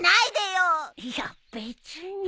いや別に。